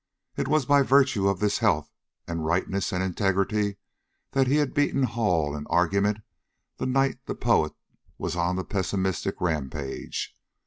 It was by virtue of this health, and rightness, and integrity, that he had beaten Hall in argument the night the poet was on the pessimistic rampage.